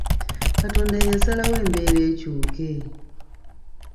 Katonda ye yasalawo embeera ekyuke !